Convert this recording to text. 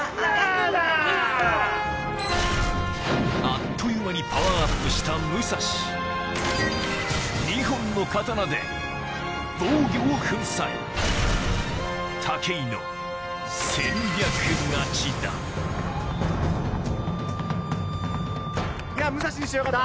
あっという間にパワーアップした武蔵２本の刀で防御を粉砕武井の戦略勝ちだ武蔵後ろから。